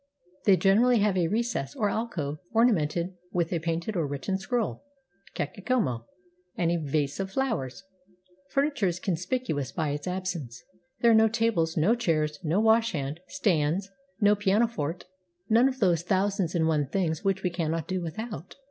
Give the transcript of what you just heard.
They generally have a recess or alcove ornamented with a painted or written scroll {kakemono) and a vase of flowers. Furniture is conspicuous by its absence. There are no tables, no chairs, no wash hand stands, no pianoforte, — none of all those thousand and one things which we cannot do without.